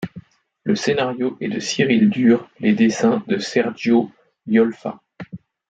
Le scénario est de Cyril Durr, les dessins de Sergio Yolfa.